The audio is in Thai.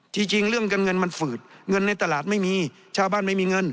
จริงเรื่องเงินเงินมันฝืดเงินในตลาดไม่มีชาวบ้านไม่มีเงิน